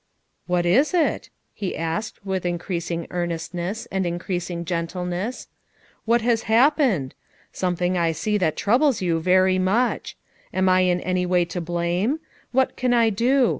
"What is it?" he asked with increasing earnestness, and increasing gentleness. "What has happened? Something I see that troubles you very much. Am I in any way to blame? What can I do?